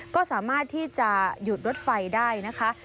ก็สามารถที่จะหยุดรถไฟได้นะคะ